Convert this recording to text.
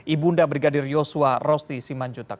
ibunda brigadir yosua rosti simanjuntak